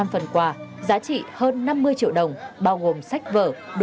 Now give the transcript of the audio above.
một trăm linh phần quà giá trị hơn năm mươi triệu đồng bao gồm sách vở đồ dùng học tập và sách báo